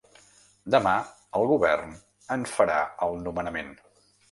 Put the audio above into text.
Demà el govern en farà el nomenament.